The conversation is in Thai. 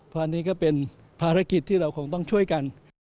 พอไนก็เป็นภารกิจที่เราคงต้องช่วยกัน